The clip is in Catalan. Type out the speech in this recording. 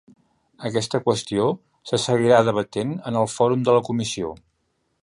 Aquesta qüestió se seguirà debatent en el fòrum de la comissió.